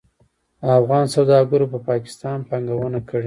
افغان سوداګرو په پاکستان پانګونه کړې.